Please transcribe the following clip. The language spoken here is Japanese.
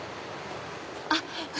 あっ。